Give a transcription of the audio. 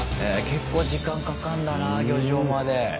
結構時間かかんだな漁場まで。